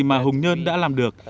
mà hùng nhơn đã làm được